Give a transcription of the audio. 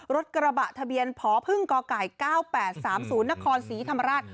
รถกระบะทะเบียนพพ๙๘๓๐นครศรีธรรมราช